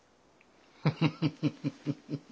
フフフ。